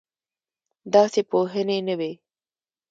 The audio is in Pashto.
داسې پوهنې نه وې.